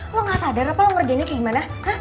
lo gak sadar apa lo ngerjainnya kayak gimana